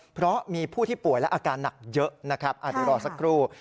เพราะมีผู้ที่ป่วยและอาการหนักเยอะนะครับเดี๋ยวรอสักครู่